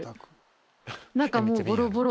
中もうボロボロ。